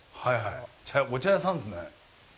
お茶屋さんですね。